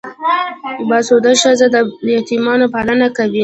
باسواده ښځې د یتیمانو پالنه کوي.